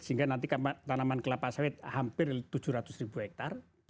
sehingga nanti tanaman kelapa sawit hampir tujuh ratus ribu hektare